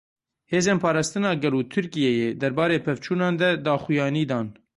Hêzên Parastina Gel û Tirkiyeyê derbarê pevçûnan de daxuyanî dan.